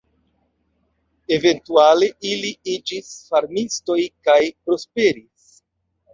Eventuale, ili iĝis farmistoj kaj prosperis.